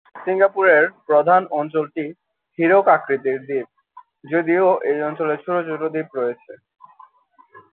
সিঙ্গাপুরের প্রধান অঞ্চলটি হীরক-আকৃতির দ্বীপ, যদিও এই অঞ্চলে ছোট ছোট দ্বীপ রয়েছে।